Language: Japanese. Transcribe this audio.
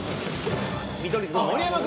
見取り図の盛山君